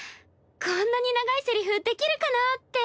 こんなに長いセリフできるかなぁって。